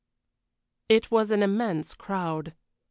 It was an immense crowd.